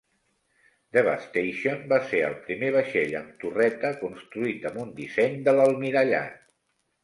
"Devastation" va ser el primer vaixell amb torreta construït amb un disseny de l'Almirallat.